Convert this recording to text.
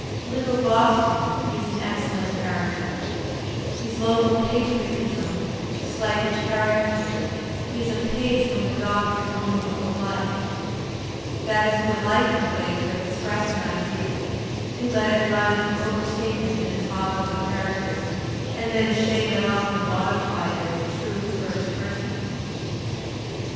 "Little Boston" is an excellent character. His local pa triotism, shghtly caricatured, is a page from the Doctor's own Digitized by Google 164 THE SPIRIT OP AMERICAN LITERATURE book of life. That is a delightul way to express an idea, to let it run to overstatement in the talk of a character, and then shave it off and modify it in the true first person!